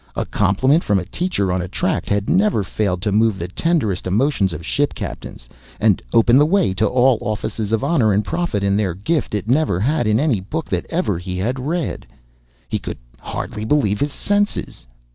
A compliment from a teacher, on a tract, had never failed to move the tenderest emotions of ship captains, and open the way to all offices of honor and profit in their gift, it never had in any book that ever HE had read. He could hardly believe his senses.